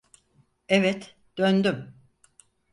Evet, döndüm.